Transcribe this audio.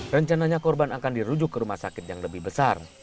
rencananya korban akan dirujuk ke rumah sakit yang lebih besar